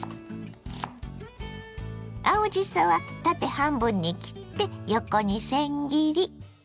青じそは縦半分に切って横にせん切り。